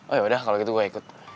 oh yaudah kalau gitu gue ikut